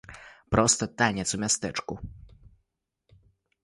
Проста танец у мястэчку.